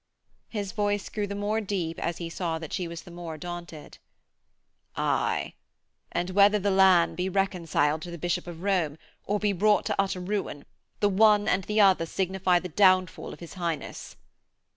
His voice grew the more deep as he saw that she was the more daunted: 'Aye: and whether the land be reconciled to the Bishop of Rome, or be brought to utter ruin, the one and the other signify the downfall of his Highness.'